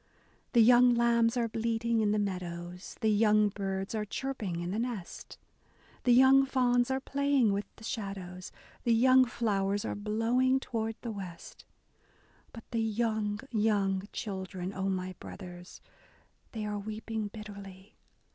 The young lambs are bleating in the meadows, The young birds are chirping in the nest, The young fawns are playing with the shadows. The young flowers are blowing toward the west — But the young, young children, O my brothers. They are weeping bitterly